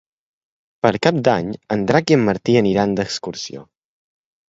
Per Cap d'Any en Drac i en Martí aniran d'excursió.